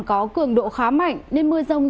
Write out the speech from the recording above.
có cường độ khá mạnh nên mưa rông